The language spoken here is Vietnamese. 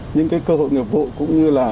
những cơ hội nghiệp vụ cũng như là